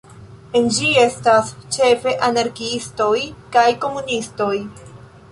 En ĝi estas ĉefe anarkiistoj kaj komunistoj.